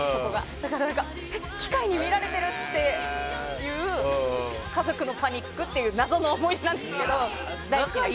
だから機械に見られてる？っていう家族のパニックっていう謎の思い出なんですけど。